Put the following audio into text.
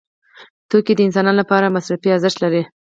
توکي د انسان لپاره مصرفي ارزښت لري.